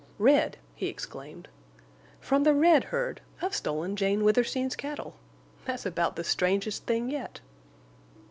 "Red!" he exclaimed. "From the red herd. I've stolen Jane Withersteen's cattle!... That's about the strangest thing yet."